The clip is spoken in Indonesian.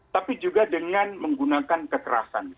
tapi juga dengan menggunakan kekerasan